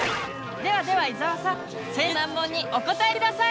ではでは伊沢さん青春の難問にお答え下さい！